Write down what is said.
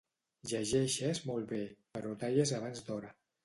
Llegeixes molt bé, però talles abans d'hora.